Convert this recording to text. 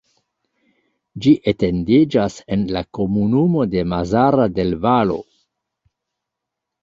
Ĝi etendiĝas en la komunumo de Mazara del Vallo.